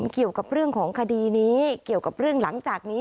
เกี่ยวกับเรื่องของคดีนี้เกี่ยวกับเรื่องหลังจากนี้